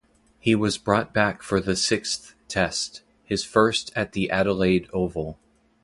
He was brought back for the Sixth Test, his first at the Adelaide Oval.